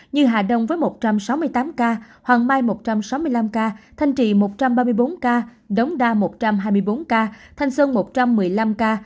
như hà đông với một trăm sáu mươi tám ca hoàng mai một trăm sáu mươi năm ca thanh trị một trăm ba mươi bốn ca đống đa một trăm hai mươi bốn ca thanh sơn một trăm một mươi năm ca